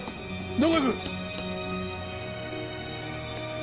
どこへ行く？